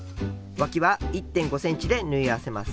わきは１．５ｃｍで縫い合わせます。